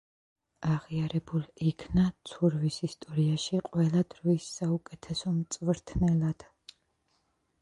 აღიარებულ იქნა ცურვის ისტორიაში ყველა დროის საუკეთესო მწვრთნელად.